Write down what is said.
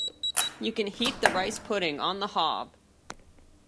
You can heat the rice pudding on the hob